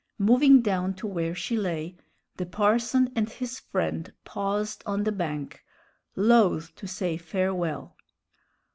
Moving down to where she lay, the parson and his friend paused on the bank, loath to say farewell.